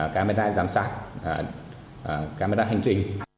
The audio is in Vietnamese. camera giám sát camera hành trình